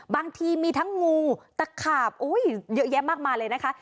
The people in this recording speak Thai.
บางทีมีทั้งงูตะขาบเยอะแยะมากมายเลยนะคะ